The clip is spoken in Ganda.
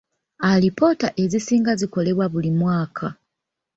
Alipoota ezisinga zikolebwa buli mwaka.